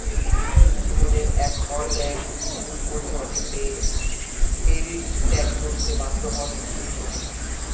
জীবনের এক পর্যায়ে প্রতিকূল পরিস্থিতিতে প্যারিস ত্যাগ করতে বাধ্য হন রুসো।